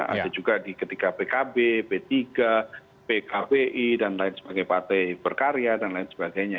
ada juga di ketika pkb p tiga pkpi dan lain sebagainya partai berkarya dan lain sebagainya